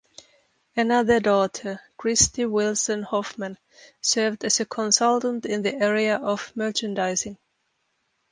Another daughter, Christy Wilson Hofmann, served as a consultant in the area of merchandising.